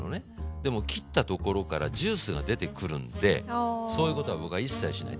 でも切ったところからジュースが出てくるんでそういうことは僕は一切しない。